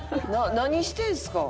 何してんすか？